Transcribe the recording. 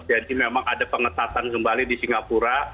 jadi memang ada pengetatan kembali di singapura